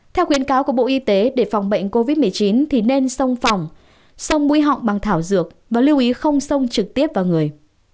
theo khuyến cáo của bộ y tế để phòng bệnh covid một mươi chín thì nên sông phòng sông mũi họng bằng thảo dược và lưu ý không sông trực tiếp vào người